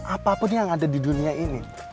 apapun yang ada di dunia ini